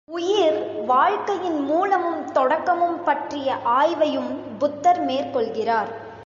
உயிர் வாழ்க்கையின் மூலமும் தொடக்கமும் பற்றிய ஆய்வையும் புத்தர் மேற்கொள்கிறார்.